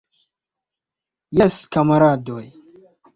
Jes, kamaradoj!